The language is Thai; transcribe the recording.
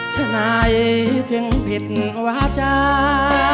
ฉะนั้นจึงผิดว่าจ้า